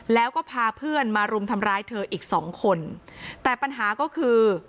แล้วก็พาเพื่อนมารุมทำร้ายเธออีกสองคนแต่ปัญหาก็คือ